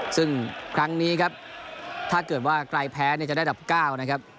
ซึ่งครั้งนี้ครับถ้าเกิดว่าใครแพ้เนี่ยจะได้ดับ๙นะครับ